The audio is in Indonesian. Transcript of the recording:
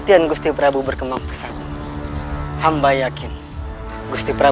ternyata benar kejang itu adalah siluman